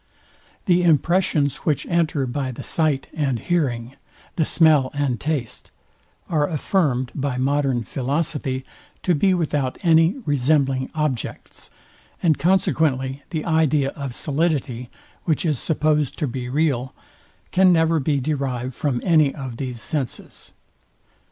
The impressions, which enter by the sight and hearing, the smell and taste, are affirmed by modern philosophy to be without any resembling objects; and consequently the idea of solidity, which is supposed to be real, can never be derived from any of these senses.